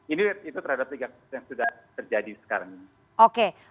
ini itu terhadap tiga yang sudah terjadi sekarang